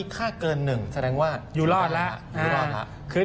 ค่าเกิน๑แสดงว่าอยู่รอดแล้ว